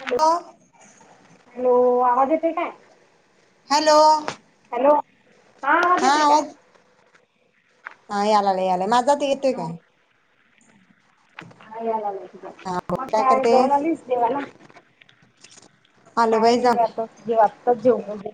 Hello hello आवाज येतो येतोय काय? हॅलो हॅलो हा आवाज हा यालाय यालाय माझ येतोय काय? आवाज यालागलाय तुझा. मग काय जाऊन आलीस देवाला? आलो काय नाही जाऊन बाई आताच आताच जेवलो.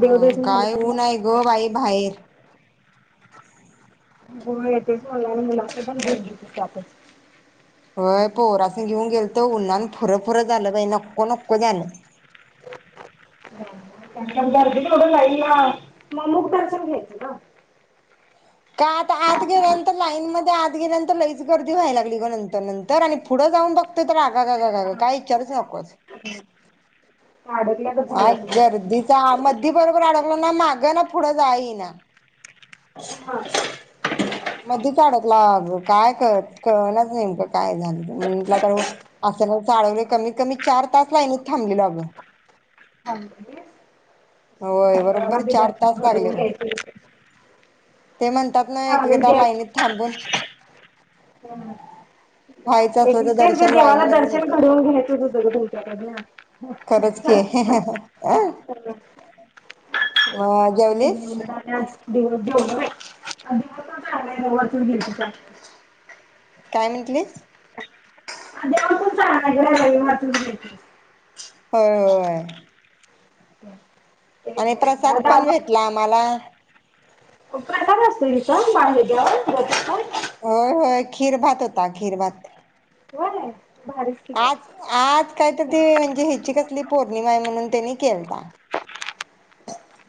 हा झालं काय ऊन हाय चांगलं ग बाई बाहेर होय तेच म्हणलं मी मुलासनी पण घेवून गेलतिस त्यातच होय पोरासनी घेऊन गेलतो उन्हान फुर फुर झालं बाई नको नको झालं. त्या गर्दीत एवढं लाईनीला म मुक दर्शन घ्यायचं ना. काय आता आत गेल्यानंतर लाईन मध्ये आत गेल्यानंतर लईच गर्दी व्हाला लागली ग. नंतर नंतर आणि पुढं जाऊन बघतो तर आ आग आग आग आग गं काय इचारूच नकोस, अडकल्यागत झालं असेल जरा गर्दीच्या मदी बरोबर आडक हो, ना माग ना पुढं जायाय येईना [inaudible] मधीच आडकला अग काय कळत कळणाचं नेमकं काय झालं म्हटलं आता आसल चालवलोय कमीत कमी चार तास लाईनीत थांबलेलो आगं. थांबली होय बरोबर चार तास लागले बघ. ते म्हणतात ना हा देव एकेकदा लाईनीत थांबून [unintelligible] व्हायचं तेच असलं तर ग दर्शन लाईन देवाला मध्येच दर्शन होतंय घडवून घ्यायचंच होत ग खरंच की तुमच्याकडन. मग असूदे जेवलीस [unintelligible] जेवलो बाई [unintelligible] काय म्हटलीस? [unintelligible] होय होय आणि प्रसाद पण भेटला आम्हाला. [unintelligible] असतंय तिथं मागितल्यावर होय होय. खिर भात होता खिरभात. होय भारीच की ग. आज आज काय तर ते म्हणजे हीची कस आपली पौर्णिमा आहे म्हणून त्यांनी केलता.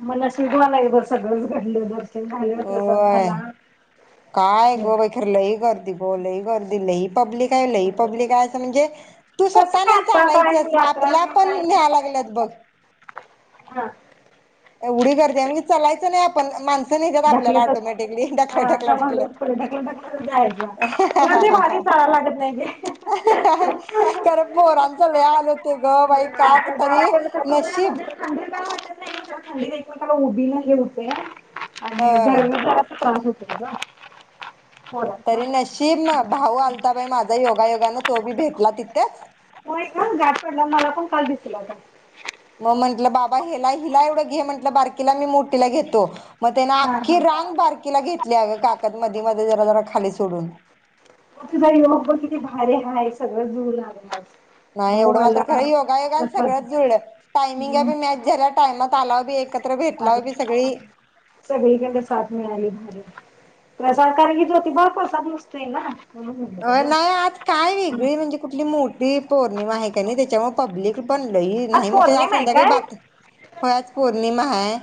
मला शिजवा नाही बर सगळंच घडल बग. झालं प्रसाद होय. झाला. काय गो बाई खरं लई गर्दी गो लई गर्दी लई पब्लिक हाय. लई पब्लिक आहे असं, म्हणजे तू कसं स्वतः काय नाही आता काय चालायचं यात्रा आपला नाही आपण काय नाही न्ह्या लागल्यात बघ. हा. एवढी गर्दी आहे. म्हणजे चलायचं नाही आप पण माण नेत्यांत आपल्याला ढकलत ऑटोमॅटिकली ढकलं हा ढकलं समज ढकलंत. पुढे ढकलत ढकलतच जायचं. उलट ते भारी चालायला लागत नाही ते. खरं पोरांच लय हाल होतेय गं बाई काक जरा तरी कसं होतंय नशीब कसं उभीनं हे होतय. आणि होय. गर्मीचा जरासं त्रास हो [unintelligible] तरी नशीब, भाऊ आलता बाई माझा योगायोग तो बी भेटला तिथच. होय गं गाट पडला. मला पण काल दिसला होता. मग म्हंटलं बाबा हिला हिला एवढं घे म्हटलं बारकीला मी मोठीला घेतो. मग त्यानं हा आखी हा. रांग बारकीला घेतली अगं काखत मधी मधी जरा जरा खाली सोडून ताई बघ की किती भारी आहे सगळं जुळून आलंय. नाही भाऊ एवढं मात्र खरं योगायोगानं आला. सगळंच जुळलं टायमिंगा बी मॅच झाल्या. टाइमात तालाव बी एक अर सगळी कडनं साथ मिळाली भारी. प्रसाद कारणन की, ज्योतीबावर प्रसाद नसतोय ना. म्हणून म्हणलं अ तुझं. नाही आज काय हम्म. वेगळी म्हणजे कुठली मोठी पौर्णिमा हाय कणी, त्याच्यामुळे पब्लिक पण लई नाही म्हणजे आज पौर्णिमा आहे संध्याकाळी काय? बात हो आज पौर्णिमा हाय.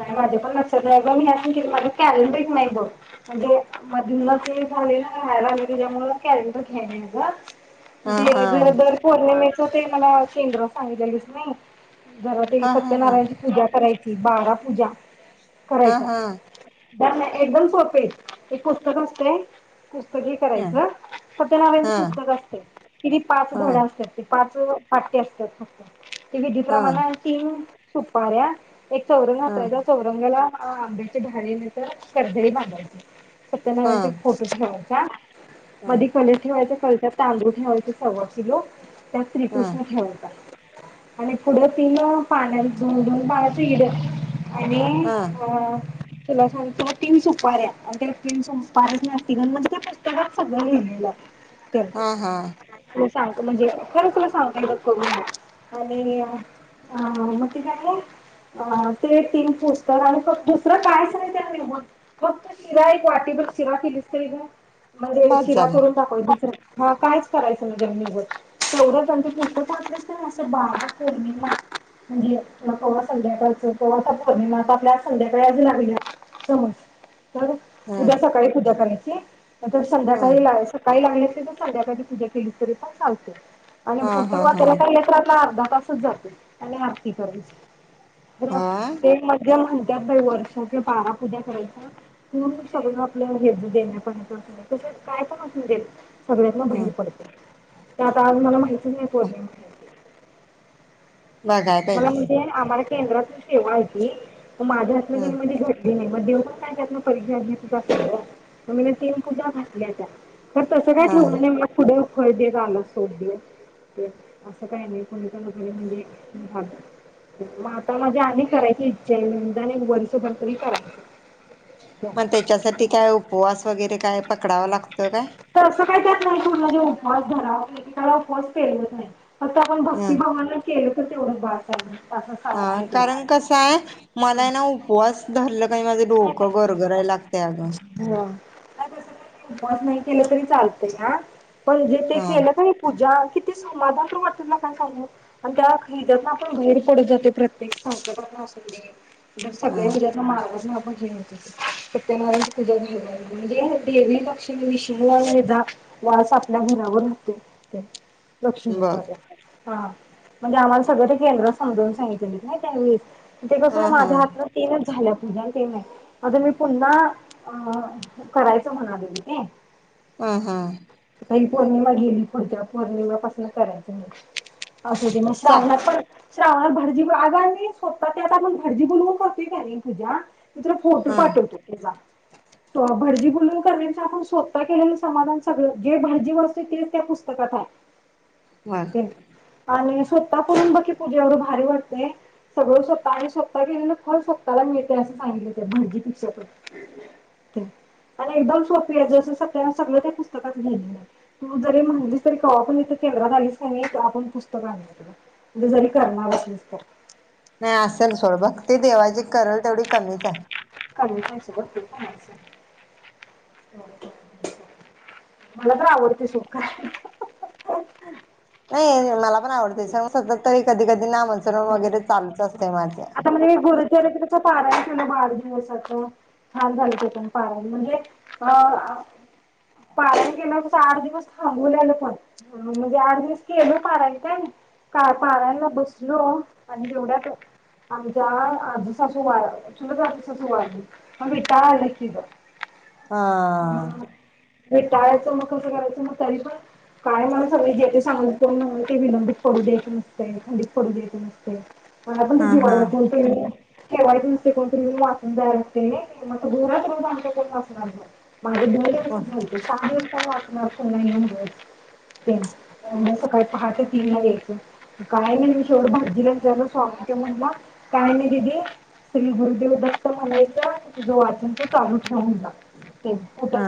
नाही माझे पण लक्षच नाही गं माझं कॅलेंडर नाही बघ. म्हणजे मध ते राहायला आले त्याच्यामुळे कॅलेंडर घ्याय नाही गं. हा ते हा बिरबर पौर्णिमे ते मला केंद्रात सांगितलेलीस नई. जरा तरी हा हा हा सत्यनारायणची पूजा करायची बारा पूजा. हा हा. ह्या कणी एकदम सोपे हायत. एक पुस्तक असतय. पुस्तकी हा करायच. सत्यनारायणच हा पुस्तक असतय, किती पाच धडे हा असतात ती पाच पाठ्य असत्यात फक्त ते हा विधीप्रमाण तीन सुपार्या एक चौरंग हा अथरायचं. चौरंग्याला हा आंब्याचे ढाळे नाहीतर कर्दळी बांधायची. सत्यनारायणचे हा एक फोटो ठेव्हायचा. का? हा मधे कलेश ठेवायच कल तांदूळ ठेवायचें सव्वा लो त्यात हा श्रीकृष्ण खेळवतात. आणि पुढं तिन पाण्यात धून धून पाण्या- [unintelligible] आणि? हा ह- तुला सांगतो तीन सुपाऱ्या आणि त्याला तीन [unintelligible] त्या पुस्तकात सगळं लिहिलेलं हा हा. तुला सांगतो म्हणजे [unintelligible] सांग कर आणि अ [unintelligible] अ ते तीन पुस्तक आणि फ दुसरं काय करायच? आनी मग फक्त शिरा एक वाटीभर शिरा केलीस तरी म - म्हणजे बास शिरा झालं करून दाखवाय [unintelligible] हा कायच करायचं ना जमनीवर [unintelligible] असं बारा पौर्णिला म्हणजे संध्याकाळचं तवा [unintelligible] आपल्या संध्याकाळी आली ता ना [unintelligible] तर हा उद्या सकाळी पूजा [unintelligible] ह नाही तर हा संध्याकाळी लागेलं, सकाळी लागले- ते तर संध्याकाळची पूजा केली तरी पण चालते. आणि हा पुस्तक हा हा वाचायला काय येत [unintelligible] अर्धा- तासच जातय आनी आरती करून. ह म हा ते मध्य म्ह त्यात वर्षा किंवा बारा उद्या करायच पण सगळं आपल्या हेज देण्या पण अस त काय पण असु देत.... सगळ्यांतन बाहेर ह पडते. ते आता आज मला माहित - तुम्ही [unintelligible] बघाय मला पाहिजे म्हणजे आ [unintelligible] केंद्राची सेवा आहे ती- माझ्या [unintelligible] ह घडली ती मग देऊण काय त्यात ना परीक्षा घ मग मी तीन पूजा घातल्यायत्या तर तसं काय हा ठेवलं नाही उलट खळदीेत आला सोप दि ते असं काही नाही कोणीच्या लगाने म्हणजे झालं आता माझी आधी करायची इच्छा आहे [unintelligible] मग त्याच्यासाठी काय उपवास वगैरे? काय पकडावं लाग- तर असं काय कर नाही तुमला देेऊ पास झाला [unintelligible] फेल होत नाही. आता आपण भक्तीप्रमाणे केलं. तेवढं बास असं अ साधं केलं तर. कारण कसं आहे हा. मला ना नाही उपवास धरलं काही माझं डोकं नाही गरगराय लागतय अगं. हा [unintelligible] केलं तरी चालतय आ पण जे ते हा केलं कनी पूजा. किती समाधान तरवटत [unintelligible] लकां सांगून आणि त्या हैदतना आपण बाहेर पडत जातो प्रत्येकांग जर हा सगळे [unintelligible] उज्या मारगज सत्यनारायण पूजा धरल म्हणजे देवी लक्ष्मी. वास आपल्या घरावर होते. बघ लक्ष्मीचार्य हा म्हणजे आम्हाला सगळं ते केंद्रात समजावून सांगितलेली नाही त्यावेळीस. ते ह कसून हा माझ्या हातन तीनच झाल्या. [unintelligible] भजन टम आहे आता मी पुन्हा अ करायचं म्हणाले ते हम्म हम्म. काही पौर्णिमा गेली पुढच्या पौर्णिमापासून करायचं मग. अ ते म [unintelligible] चा लाहणार पण श्रावणात भारजी [unintelligible] आगारोधतात त्या आत आपण भाजी बुनवू करतो का तूज्या मी तुला फोटो हा पाठवतो तुला अ भर्जी [unintelligible] ल करण्या आपण स्वत त केलेलं समाधान सगळ जे भाजी व असते ते त्या पुस्तकात आहे. बर ते आणि. स्वतः पून बकी पूजेवर भारी वारते सगळं स्वतः आणि स्वतः गेलेलं फ स्वतःला मिळते असं सांगितलं [unintelligible] म्हजी पिक आणि एकदम स्ोपीया त्या सगळं त्या पुस्तकात घे. तू जरी म्हहिली तरी का पण ईथे. केंद्रात आलीस का नाही, आपण पुस्तक अनु [unintelligible] यात ग. नाई असेल सोड भत्ती देवाची. करल तेवढी कमीच आहे. [unintelligible] मला तर आवडते सुख खा. नाई मला. पण आवडत स स तरी कधी कधी ना म्हसरून वगैरे चालत देवाच. त्या त्याच पाराय केलं, बाड दिवसाच छान झालत्ये पण पारायण म्हणजे अ आ पारायण केल्या, तस आठ दिवस थांबू ल्याल पण म्हणजे, आठ दिवस केल पारायण. [unintelligible] काल पाारयला बसलो आणि जवढ्यात, आमच्या आजू सासू वार चुलत आजासूसू वारल्या मग विटालं कीग. हा हम्म विटाळ्याच मग कसं करायच. मग तरीपण काय मानस बई गेली [unintelligible] सगळी जे ते सांगतो म ते विनंडीत पडूद्यायचं नसते, थंडीत पडूद्यायचं नसते. मला आपण ते, [unintelligible] हा हा जीवाला कोणत्या वेळी. ठेवाय नुसते कोण तरी ऊन वाचून जायचं असते मग ते [unintelligible] आमच्या कोण वाचणार माझे दोन हो सच झालते सहा दिवस [unintelligible] [unintelligible] [unintelligible] नाही टाळबिटाळ हा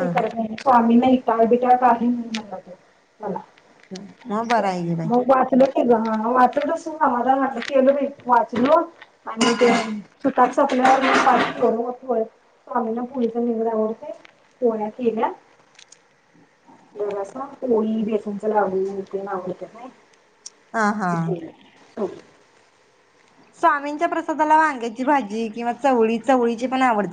कही नाही म्हणला तो मला. हम्म. त्या मग वाचलंच. होय की ह वाचल तस समाधान म्हटलं, केलं मी वाचल आणि ते सू [unintelligible] स्वामीना पुलीचा निघ आवडते पोळ्या केल्या [unintelligible] जर अस पोळी बेसनच लाडु ते आवडते नाय. हा हा [unintelligible] हो. स्वामींच्या प्रसादाला वांगाची भाजी किंवा चवळी चवळीची पण आवड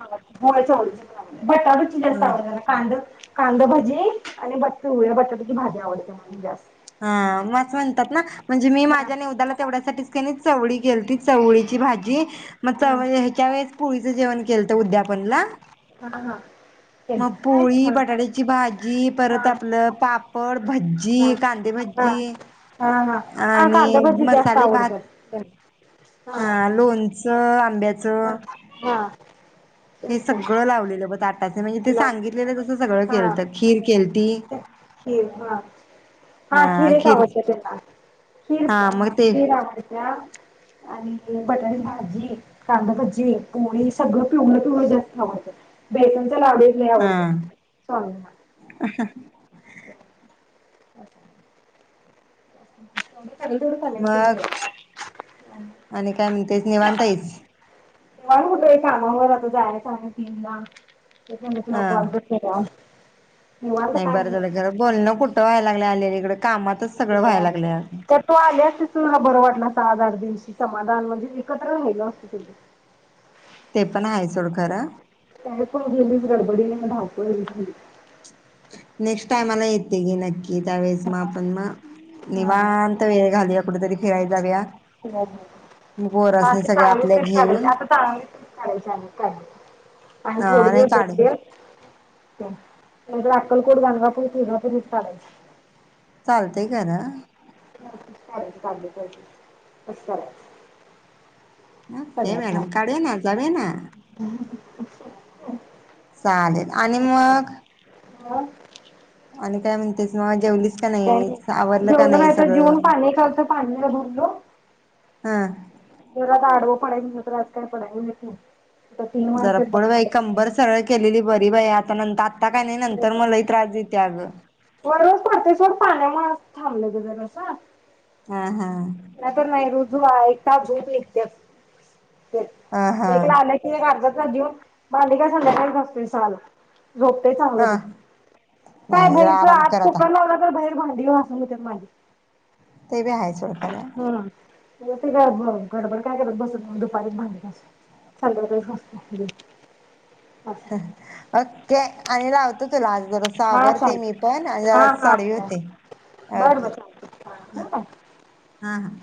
बोला की होय चवळीचे भाजी बटाट्याची जास्त आवडते ना कांद कांदा भजी आणि बट पिवळ्या बट्याट्याची भाजी आवडते मला जास हा म असं म्हणतात ना म्हणजे मी हा माझ्या नीउद्याला तेवढ्यासाठीच केली चवळी केलती चवळीची भाजी म हा चवळी ह्याच्या वेळेस पुळीचं जेवण केलंत उद्यापन ना. हा हा. मग त्यांची काय पोळी हा बटाट्याची भाजी परत आपलं पाप पड भज्जी हा हा कांदे हा भजी हा हा हा कांदा आणि भजी जास्त मसाले भात आवडतात. हा लोणचं आंब्याच. हा हे तेच की. सगळं लावलेलं बध आत. हा खीर केलती खीर हा हा खीर च आवडतं त्याला खीर हा मग ते खीर आवडत्या आणि बटाट भाजी कांदाभजी पोळी सगळं पिवळ पिवळ जास्त आवडतं बघ. त्याला अळंबी लय हा आवडत्यात हां स्वामींना. [unintelligible] [unintelligible] [unintelligible] मला तेवढं पनीर ठेवून दे. मग आणि काय म्हणतेच निवांत आहेस. मला कुठ कामावर आता जायचं आहे तीन ला मी म्हणल तुला कॉल तर केला. निवांत नाई काय बरं झालं खर बोलनं कुठ [unintelligible] आल्यात इकडं. तर तू आली असतीस तर मला बरं वाटल असत आज [inaudible] समाधान म्हणजे एकत्र राहिलो असतो सगळी. ते पण आहे सोड खरं तरीपण गेलीस गडबडीनं. धावपळ होत गेली. नेक्स्ट टाईमाला येते घे नक्की. ये त्यावेेळेस म हा आपण म हा. निवांत वेळ घालवूया कुठेतरी फिराय जाऊया. हं मग आता पोरासनी अशी सगळ्या चांगली आपल्या ट्रिप काढायची, घेऊन आता चांगली ट्रिप काढायची अनेक काडली तर आणि हा थोड नाही काढे दिवस [unintelligible] म्हणजे अक्कलकोट, गाणगापूर, खिद्रापूर ट्रिप काढायची. चालतंय खरं. [unintelligible] तस करायचं. के सगळ्यात मॅडम भारी. काढूया ना, जाऊया ना, चालेल आणि मग [inaudible] आणि काय म्हणतेस म जेवलीस का नाही आवरलं का जेवलो नाही तर, जेवून सगळं पाणी खालच पाणी भरलं. हं. मग आडवो पडायचं म्हणल, तर आज काय पडायला मिळतं नाही. आता तीन जरा वाजतात पड बाई कंबर बघ. सरळ केलेली बरी बाई आ [inaudible] होय [unintelligible] पाण्यामुळे आस थांबलं गं जरास. हां हां. [unintelligible] एक तास येत्याचं. ते ह हा एक आल की एक आर्धा तास जेऊन भांडी काय संद्याकाळी गसतोय साला. झोपतोय चांगलं बाई, ह काय नाही जरा भायचं आराम आत कर आता कुकर लावला तर बाहेर ते भांडी गासुन देत्यात माझी. ते बी हाय. चल खरं. मोठी गडबड गडबड काय करत बसत नाय दुपारी भांडी घासू संद्याकाळी घासू. ओके आणि राव [inaudible] जरासं हा आवरते मी चालतंय पण आणि हा जरासं हा आढवी होते, बरं ओके बरं चालतंय हा ठेवू काय हा हा.